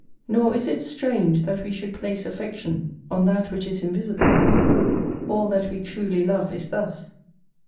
Nor is it strange that we should place affection on that which is invisible: all that we truly love is thus.